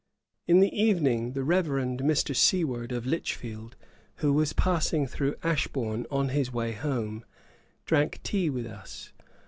In the evening, the Reverend Mr. Seward, of Lichfield, who was passing through Ashbourne in his way home, drank tea with us.